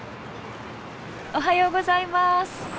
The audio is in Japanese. おはようございます！